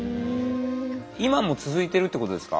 今も続いてるってことですか？